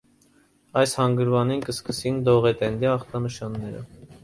Այս հանգրուանին կը սկսին դողտենդի ախտանշանները։